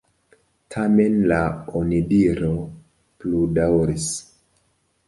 Tamen la onidiro pludaŭris.